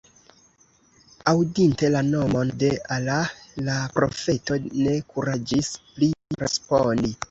Aŭdinte la nomon de Allah, la profeto ne kuraĝis pli respondi.